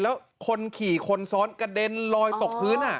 แล้วคนขี่คนซ้อนกระเด็นลอยตกพื้น